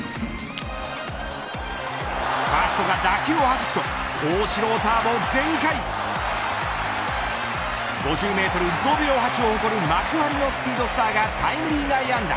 ファーストが打球をはじくと康士朗ターボ全開５０メートル５秒８を誇る幕張のスピードスターがタイムリー内野安打。